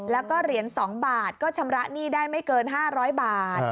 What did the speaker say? แล้วก็เหรียญ๒บาทก็ชำระหนี้ได้ไม่เกิน๕๐๐บาท